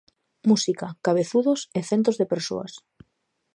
Música, cabezudos e centos de persoas.